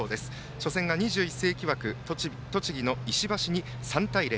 初戦が２１世紀枠、栃木の石橋に３対０。